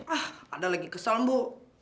ah alda lagi kesel bu